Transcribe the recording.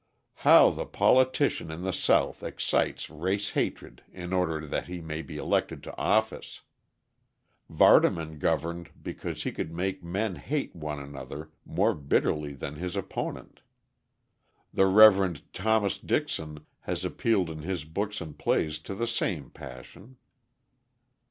How the politician in the South excites race hatred in order that he may be elected to office! Vardaman governed because he could make men hate one another more bitterly than his opponent. The Rev. Thomas Dixon has appealed in his books and plays to the same passion.